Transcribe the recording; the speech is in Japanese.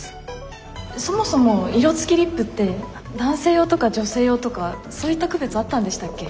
そもそも色つきリップって男性用とか女性用とかそういった区別あったんでしたっけ？